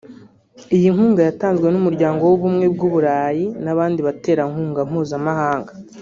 Iyi nkunga yatanzwe n’Umuryango w’Ubumwe bw’u Burayi n’abandi baterankunga mpuzamahanga